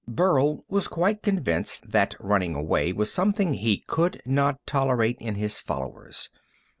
Burl was quite convinced that running away was something he could not tolerate in his followers.